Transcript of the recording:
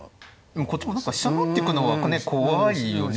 こっちも何か飛車成ってくのはね怖いよね。